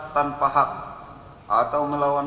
tanpa hak atau melawan